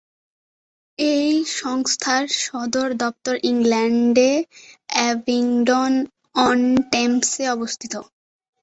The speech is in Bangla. এই সংস্থার সদর দপ্তর ইংল্যান্ডের অ্যাবিংডন-অন-টেমসে অবস্থিত।